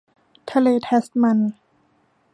ทะเลแทสมัน